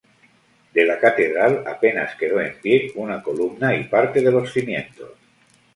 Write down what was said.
De la catedral apenas quedó en pie una columna y parte de los cimientos.